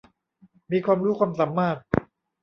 มีความรู้ความสามารถ